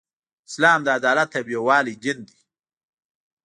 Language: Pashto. اسلام د عدالت او یووالی دین دی .